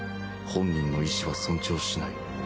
本人の意思は尊重しない。